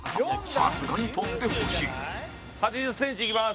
さすがに跳んでほしい８０ｃｍ、いきます！